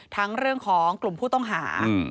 เรื่องของกลุ่มผู้ต้องหา